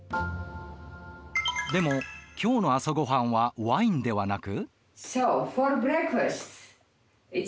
でも今日の朝ごはんはワインではなく。